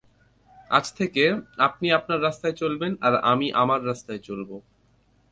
আজ থেকে, আপনি আপনার রাস্তায় চলবেন, আর আমি আমার রাস্তায় চলব।